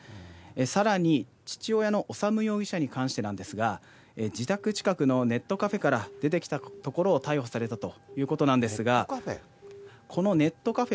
さらに、父親の修容疑者に関してなんですが、自宅近くのネットカフェから出てきたところを逮捕されたというこネットカフェ？